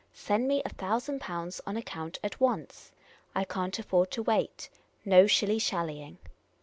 Send me a thousand pounds on account at once. I can't afford to wait. No shillyshallying."